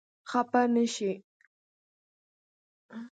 خپه نه شې؟